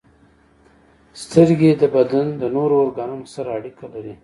• سترګې د بدن د نورو ارګانونو سره اړیکه لري.